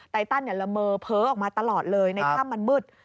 ตันละเมอเผลอออกมาตลอดเลยในถ้ำมันมืด